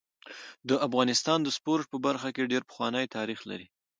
د افغانستان د سپورټ په برخه کي ډير پخوانی تاریخ لري.